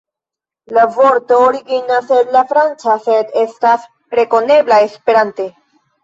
La vorto originas el la franca, sed estas rekonebla Esperante.